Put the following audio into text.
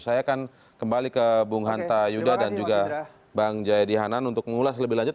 saya akan kembali ke bung hanta yuda dan juga bang jayadi hanan untuk mengulas lebih lanjut